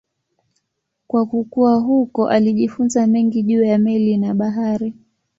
Kwa kukua huko alijifunza mengi juu ya meli na bahari.